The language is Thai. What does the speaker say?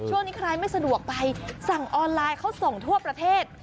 ช่วงนี้ใครไม่สะดวกไปสั่งออนไลน์เขาส่งทั่วประเทศ